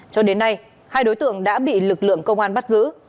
cho đến nay hai đối tượng đã bị lực lượng công an bắt giữ